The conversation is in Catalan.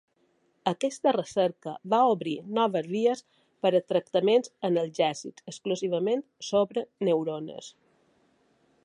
Aquesta recerca va obrir noves vies per a tractaments analgèsics exclusivament sobre neurones.